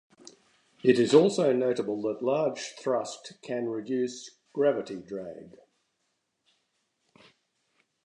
It is also notable that large thrust can reduce gravity drag.